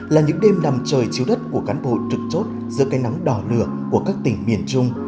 là những đêm nằm trời chiếu đất của cán bộ trực chốt giữa cây nắng đỏ lửa của các tỉnh miền trung